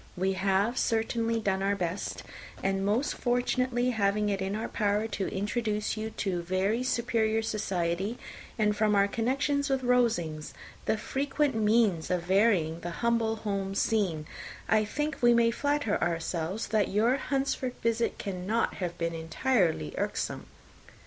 We have certainly done our best; and most fortunately having it in our power to introduce you to very superior society, and from our connection with Rosings, the frequent means of varying the humble home scene, I think we may flatter ourselves that your Hunsford visit cannot have been entirely irksome.